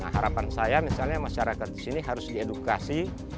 harapan saya misalnya masyarakat di sini harus diedukasi